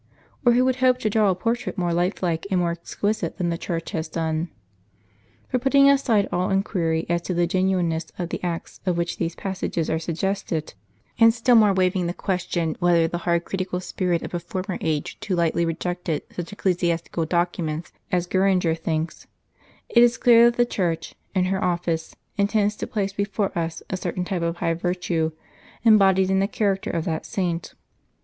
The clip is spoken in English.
Or who would hope to draw a portrait more life like and more exquisite than the Church has done ? For, putting aside all inquiry as to the genuineness of the acts by which these passages are suggested ; and still more waving the question whether the hard critical spirit of a former age too lightly rejected such ecclesiastical documents, as Gueranger thinks ; it is clear that the Church, in her office, intends to place before us a cer tain type of high virtue embodied in the character of that saint.